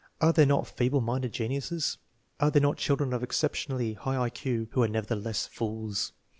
Are there not " feeble minded geniuses," and are there not children of exceptionally high I Q who are nevertheless fools?